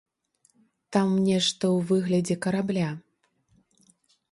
Там нешта ў выглядзе карабля.